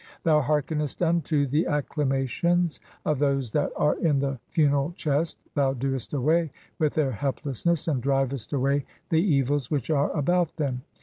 Thou hearkenest unto (22) the acclamations of those that 'are in the funeral chest, 1 thou doest away with their helpless 'ness and drivest away the evils which are about (23) them.